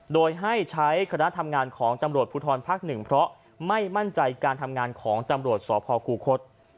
โดยให้ใช้คณะทำงานของตำรวจภูทรภักดิ์๑เพราะไม่มั่นใจการทำงานของตำรวจสพคูคศ